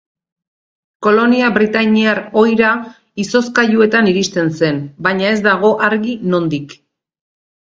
Kolonia britainiar ohira izozkailuetan iristen zen, baina ez dago argi nondik.